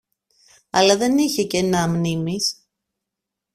αλλά δεν είχε κενά μνήμης